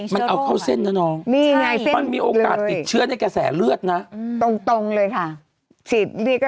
มันอันตรายใช่ไหม